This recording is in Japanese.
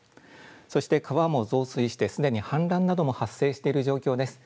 そして川も増水してすでに氾濫なども発生している状況です。